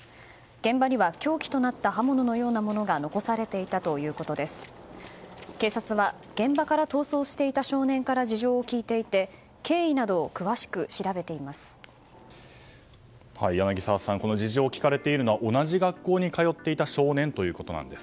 現場には凶器となった刃物のようなものが残されていたということです。